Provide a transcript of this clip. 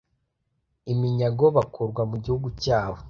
Iminyago bakurwa mu gihugu cyabo